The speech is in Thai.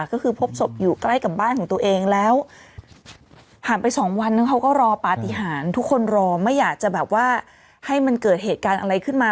ก็คือพบศพอยู่ใกล้กับบ้านของตัวเองแล้วผ่านไปสองวันเขาก็รอปฏิหารทุกคนรอไม่อยากจะแบบว่าให้มันเกิดเหตุการณ์อะไรขึ้นมา